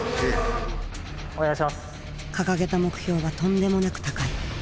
掲げた目標はとんでもなく高い。